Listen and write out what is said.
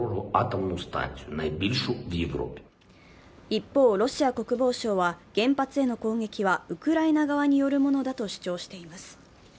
一方、ロシア国防省は原発への攻撃はウクライナ側によるものだと主張しています。